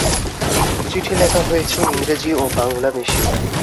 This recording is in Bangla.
চিঠি লেখা হয়েছে ইংরেজি ও বাংলা মিশিয়ে।